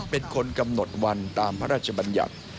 เป็นคนกำหนดวันตามพระราชบัญญัติ